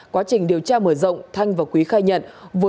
quá trình điều tra mở rộng thanh và quý khai nhận